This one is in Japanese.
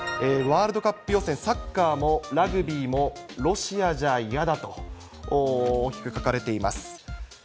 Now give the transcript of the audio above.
ワールドカップ予選、サッカーもラグビーもロシアじゃ嫌だと、大きく書かれています。